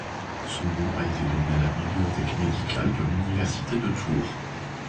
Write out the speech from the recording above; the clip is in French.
Son nom a été donné à la bibliothèque médicale de l'Université de Tours.